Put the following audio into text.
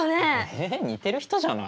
え似てる人じゃない？